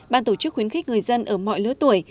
ban tổ chức khuyến khích người dân ở mọi lứa tuổi